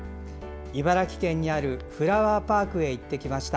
茨城県にあるフラワーパークへ行ってきました。